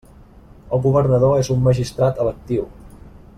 El governador és un magistrat electiu.